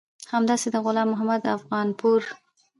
همداسې د غلام محمد افغانپور